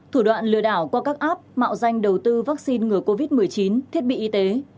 thủ đoạn lừa đảo qua các app mạo danh đầu tư vaccine ngừa covid một mươi chín thiết bị y tế